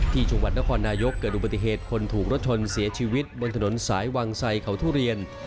ที่จังหวัดนครนายกเกิดอุบัติเหตุคนถูกรถชนเสียชีวิตบนถนนสายวังไสเขาทุเรียน